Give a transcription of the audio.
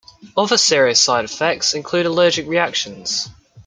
Other serious side effects include allergic reactions.